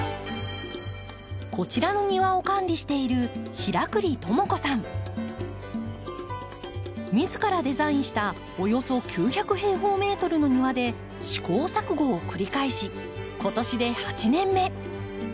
こちらの庭を管理しているみずからデザインしたおよそ９００平方メートルの庭で試行錯誤を繰り返し今年で８年目。